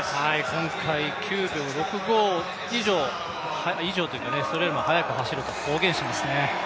今回９秒６５以上というか、それよりも速く走ると公言していますね。